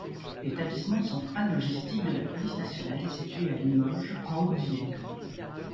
L’établissement central logistique de la Police nationale est situé à Limoges en Haute-Vienne.